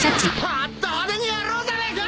ぱーっと派手にやろうじゃねえか！